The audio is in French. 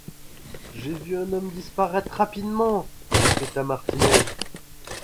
J’ai vu un homme disparaître rapidement ! répéta Martinez